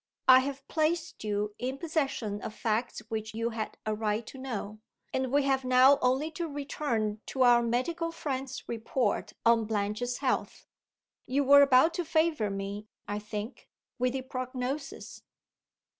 "I have placed you in possession of facts which you had a right to know; and we have now only to return to our medical friend's report on Blanche's health. You were about to favor me, I think, with the Prognosis?"